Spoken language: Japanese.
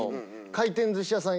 回転寿司屋さん